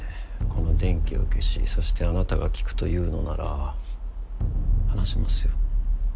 この電気を消しそしてあなたが聞くというのなら話しますよ。